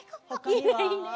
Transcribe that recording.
いいねいいね。